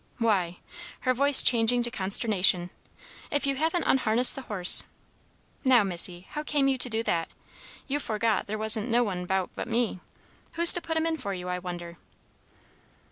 Why," her voice changing to consternation, "if you haven't unharnessed the horse! Now, Missy, how came you to do that? You forgot there wasn't no one about but me. Who's to put him in for you, I wonder?"